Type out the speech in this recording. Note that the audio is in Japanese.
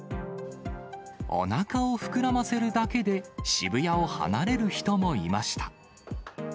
おなかを膨らませるだけで、渋谷を離れる人もいました。